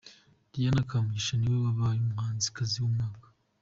Diana Kamugisha niwe wabaye umuhanzikazi w'umwaka.